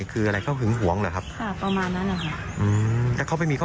อยากให้จับภูมิเขาให้ได้แล้วก็ดำเนิน